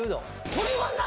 これはな